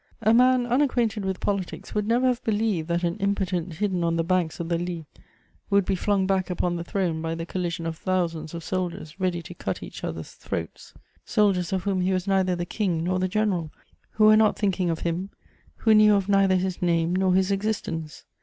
A man unacquainted with politics would never have believed that an impotent hidden on the banks of the Lys would be flung back upon the throne by the collision of thousands of soldiers ready to cut each other's throats: soldiers of whom he was neither the King nor the general, who were not thinking of him, who knew of neither his name nor his existence.